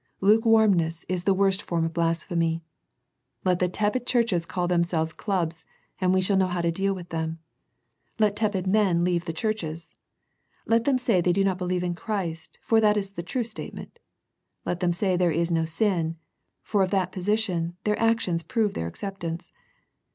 Lukewarmness is the worst form of blasphemy. Let the tepid churches call themselves clubs, and we shall know how to deal with them. Let tepid men leave the churches. Let them say they do not beHeve in Christ for that is the true statement. Let them say there is no sin, for of that position, their actions prove their acceptance.